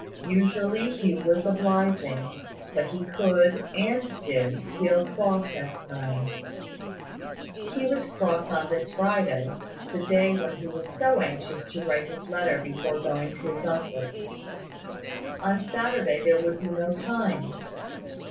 Usually Hugh was obliging, but he could and did feel cross at times. He was cross on this Friday, the day when he was so anxious to write his letter before going to his uncle's. On Saturday there would be no time.